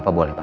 apa boleh pak